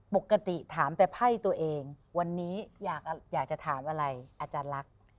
ปกติถามแต่ไพ่ตัวเองวันนี้อยากจะถามอะไรอาจารย์ลักษณ์